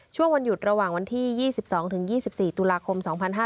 ช่วงวันหยุดระหว่างวันที่๒๒๒๔ตุลาคม๒๕๕๙